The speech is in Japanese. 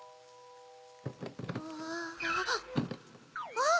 あっ！